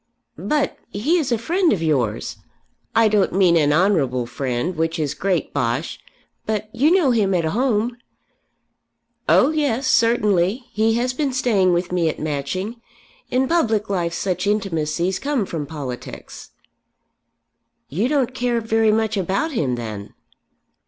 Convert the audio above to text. "But he is a friend of yours? I don't mean an 'honourable friend,' which is great bosh; but you know him at home." "Oh yes; certainly. He has been staying with me at Matching. In public life such intimacies come from politics." "You don't care very much about him then."